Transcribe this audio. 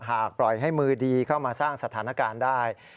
หากปล่อยให้มือดีเข้ามาสร้างสถานการณ์ได้